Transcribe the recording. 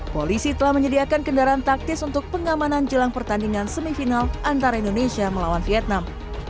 polisi telah menyediakan kendaraan taktis untuk pengamanan jelang pertandingan semifinal antara indonesia melawan vietnam